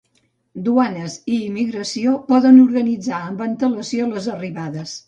Duanes i Immigració poden organitzar amb antelació les arribades.